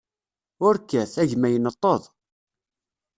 Ur kkat, a gma, ineṭṭeḍ.